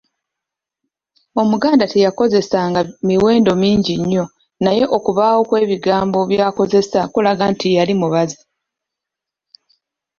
Omuganda teyakozesanga miwendo mingi nnnyo naye okubaawo kw’ebigambo by’akozesa kulaga nti yali mubazi.